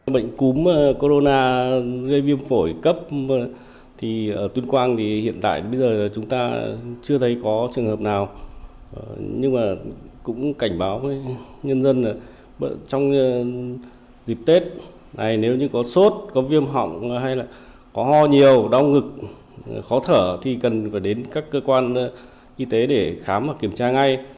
bệnh cúm corona gây viêm phổi cấp thì ở tuyên quang thì hiện tại bây giờ chúng ta chưa thấy có trường hợp nào nhưng mà cũng cảnh báo với nhân dân là trong dịp tết này nếu như có sốt có viêm họng hay là có ho nhiều đau ngực khó thở thì cần phải đến các cơ quan y tế để khám và kiểm tra ngay